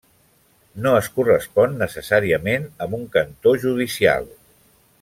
No es correspon necessàriament amb un cantó judicial.